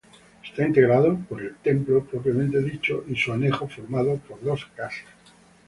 Está integrado por el templo propiamente dicho y un anejo formado por dos casas.